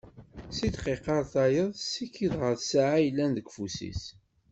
Si ddqiqa ar tayeḍ, tessikid ɣer ssaɛa i yellan deg ufus-is